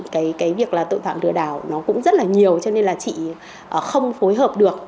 cái việc là tội phạm lừa đảo nó cũng rất là nhiều cho nên là chị không phối hợp được